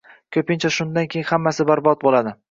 Ko‘pincha shundan keyin hammasi barbod bo‘ladi.